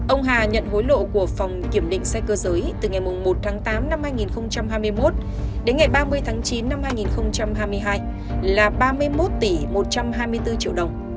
ông hà nhận hối lộ của phòng kiểm định xe cơ giới từ ngày một tháng tám năm hai nghìn hai mươi một đến ngày ba mươi tháng chín năm hai nghìn hai mươi hai là ba mươi một tỷ một trăm hai mươi bốn triệu đồng